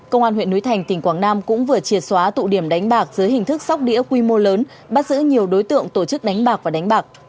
công an huyện núi thành tỉnh quảng nam cũng vừa triệt xóa tụ điểm đánh bạc dưới hình thức sóc đĩa quy mô lớn bắt giữ nhiều đối tượng tổ chức đánh bạc và đánh bạc